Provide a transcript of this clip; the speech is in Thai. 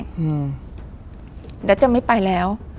เนี่ยจะไม่ไปแล้ว